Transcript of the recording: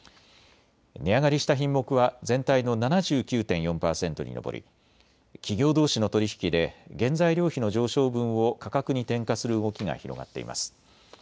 値上がりした品目は全体の７９．４％に上り企業どうしの取り引きで原材料費の上昇分を価格に転嫁する動きが広がっています。